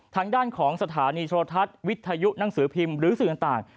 ทางด้านของสถานีโทรทัศน์วิทยุหนังสือพิมพ์หรือสื่อต่าง